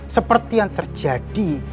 seperti yang terjadi